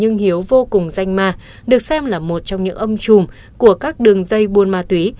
nhưng hiếu vô cùng danh ma được xem là một trong những âm trùm của các đường dây buôn ma túy